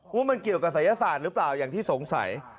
ว่ามันเกี่ยวกับศัยศาสตร์หรือเปล่าอย่างที่สงสัย